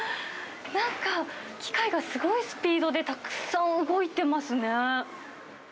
なんか、機械がすごいスピードでたくさん動いてますね。